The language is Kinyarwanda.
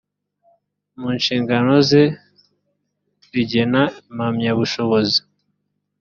mu nshingano ze rigena impamyabushobozi